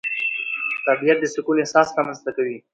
طبیعت د سکون احساس رامنځته کوي